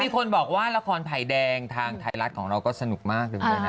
คนบอกว่าละครไผ่แดงทางไทยรัฐของเราก็สนุกมากเลยนะ